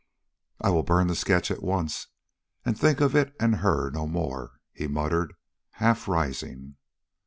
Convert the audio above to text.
"I will burn the sketch at once, and think of it and her no more," he muttered, half rising.